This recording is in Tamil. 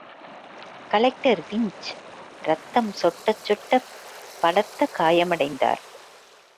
கலெக்டர் விஞ்ச் ரத்தம் சொட்டச் சொட்டப் பலத்த காயமடைந்தார்.